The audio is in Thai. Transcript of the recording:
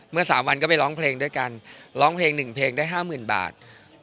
เมื่อสามวันก็ไปร้องเพลงด้วยกันร้องเพลงหนึ่งเพลงได้ห้าหมื่นบาท